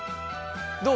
どう？